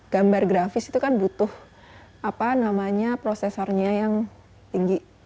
gambar grafis itu kan butuh prosesornya yang tinggi